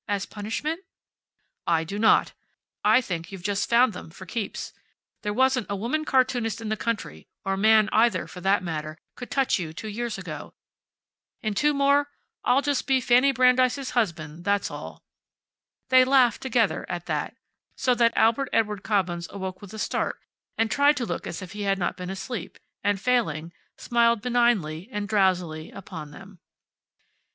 As punishment?" "I do not. I think you've just found them, for keeps. There wasn't a woman cartoonist in the country or man, either, for that matter could touch you two years ago. In two more I'll be just Fanny Brandeis' husband, that's all." They laughed together at that, so that Albert Edward Cobbins awoke with a start and tried to look as if he had not been asleep, and failing, smiled benignly and drowsily upon them.